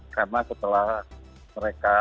karena setelah mereka